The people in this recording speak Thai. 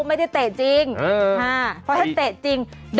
โอ้โหโอ้โหโอ้โหโอ้โหโอ้โหโอ้โห